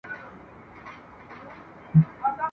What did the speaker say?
په خزان او په بهار کي بیرته تله دي !.